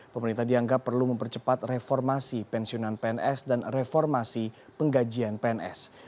pemerintah dianggap perlu mempercepat reformasi pensiunan pns dan reformasi penggajian pns